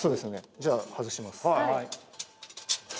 じゃあ外します。